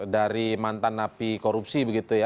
dari mantan napi korupsi